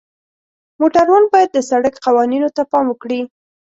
موټروان باید د سړک قوانینو ته پام وکړي.